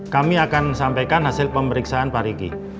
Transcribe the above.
kami akan sampaikan hasil pemeriksaan pak riki